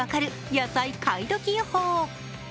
野菜買いドキ予報！